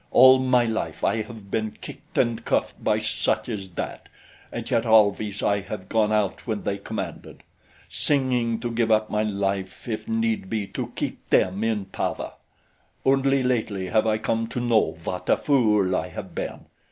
All my life I have been kicked and cuffed by such as that, and yet always have I gone out when they commanded, singing, to give up my life if need be to keep them in power. Only lately have I come to know what a fool I have been.